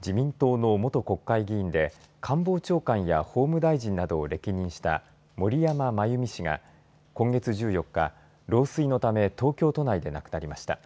自民党の元国会議員で官房長官や法務大臣などを歴任した森山眞弓氏が今月１４日、老衰のため東京都内で亡くなりました。